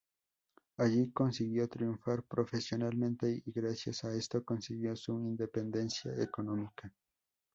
Allí, consiguió triunfar profesionalmente y, gracias a esto, consiguió su independencia económica.